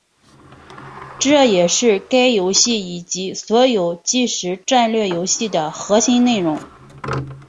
这也是该游戏以及所有即时战略游戏的核心内容。